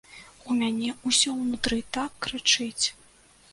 У мяне ўсё ўнутры так крычыць!